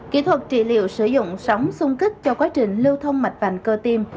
kỹ thuật trị liệu sử dụng sóng sung kích cho quá trình lưu thông mạch vành cơ tim